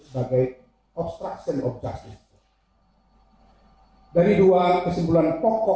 dikunci oleh dua kesimpulan